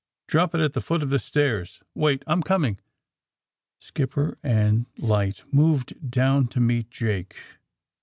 '^Drop it at the foot of the stairs. Wait, I'm coming." Skipper and light moved dewn to meet Jake.